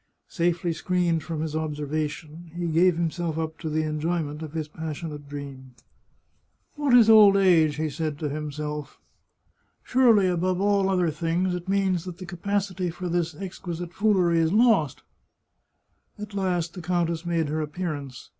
Safely screened from observation, he gave himself up to the enjoyment of his passionate dream. " What is old age !" he said to himself. " Surely, above all other things, it means that the capacity for this exquisite foolery is lost !" At last the countess made her appearance.